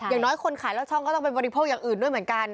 อย่างน้อยคนขายแล้วช่องก็ต้องไปบริโภคอย่างอื่นด้วยเหมือนกัน